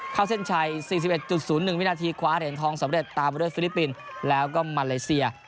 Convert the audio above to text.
เข้าเส้นชัย๔๑๐๑วินาทีคว้าเหรียญทองสำเร็จตามไปด้วยฟิลิปปินส์แล้วก็มาเลเซีย